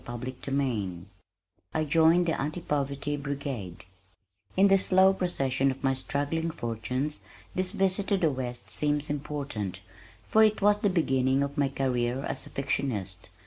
CHAPTER XXIX I Join the Anti Poverty Brigade In the slow procession of my struggling fortunes this visit to the West seems important, for it was the beginning of my career as a fictionist.